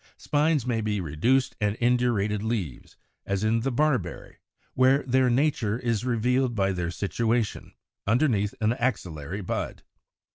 Spines may be reduced and indurated leaves; as in the Barberry, where their nature is revealed by their situation, underneath an axillary bud.